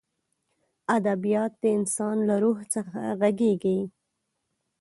ادبیات د انسان له روح څخه غږېږي.